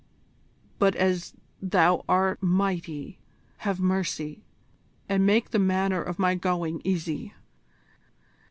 But as thou art mighty, have mercy, and make the manner of my going easy."